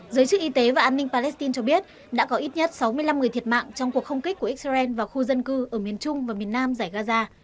giới chức y tế và an ninh palestine cho biết đã có ít nhất sáu mươi năm người thiệt mạng trong cuộc không kích của israel vào khu dân cư ở miền trung và miền nam giải gaza